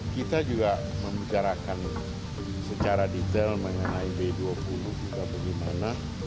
kita juga membicarakan secara detail mengenai b dua puluh kita bagaimana